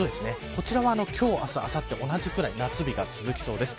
こちらは今日、明日あさって同じぐらい夏日が続きそうです。